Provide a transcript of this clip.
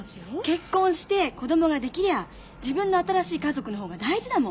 結婚して子供ができりゃ自分の新しい家族の方が大事だもん。